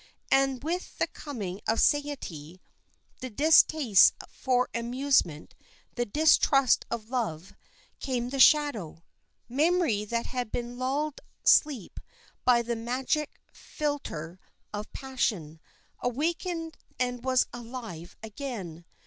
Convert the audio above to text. And with the coming of satiety, the distaste for amusement, the distrust of love, came the shadow. Memory that had been lulled asleep by the magic philtre of passion, awakened and was alive again.